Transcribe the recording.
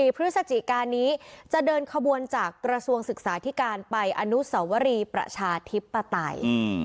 พฤศจิกานี้จะเดินขบวนจากกระทรวงศึกษาธิการไปอนุสวรีประชาธิปไตย